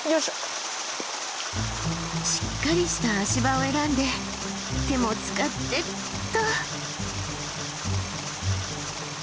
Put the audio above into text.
しっかりした足場を選んで手も使ってっと。